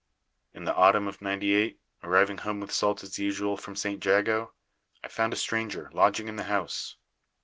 "In the autumn of 'ninety eight, arriving home with salt as usual from St. Jago, I found a stranger lodging in the house.